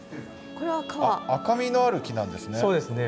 赤みのある木なんですね。